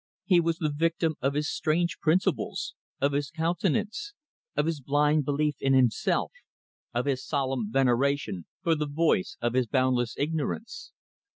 He was the victim of his strange principles, of his continence, of his blind belief in himself, of his solemn veneration for the voice of his boundless ignorance.